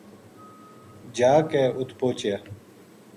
جا کے ات پوہچیا